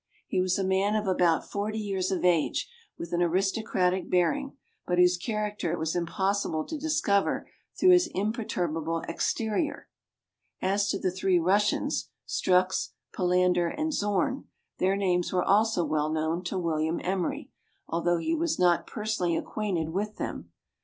He was a man of about forty years of age, with an aristocratic bearing, but whose character it was impossible to discover through his imperturbable exterior. As to the three Russians, Strux, Palander, and Zorn, their names were also well known to William Emery, although he was not personally acquainted with them.